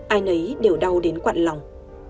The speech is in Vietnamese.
ai nấy đều đau đến quặn lòng